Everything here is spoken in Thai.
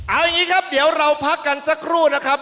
เอาอย่างนี้ครับเดี๋ยวเราพักกันสักครู่นะครับ